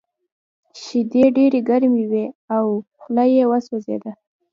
شیدې ډېرې ګرمې وې او خوله یې وسوځېده